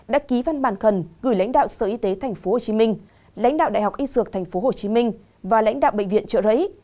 đã ký văn bản cần gửi lãnh đạo sở y tế tp hcm lãnh đạo đại học y sược tp hcm và lãnh đạo bệnh viện trợ rấy